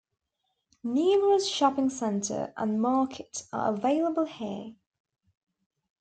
Numerous shopping centre and market are available here.